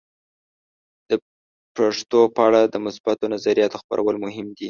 د پښتو په اړه د مثبتو نظریاتو خپرول مهم دي.